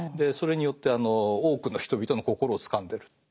それによって多くの人々の心をつかんでる。